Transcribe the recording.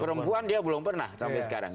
perempuan dia belum pernah sampai sekarang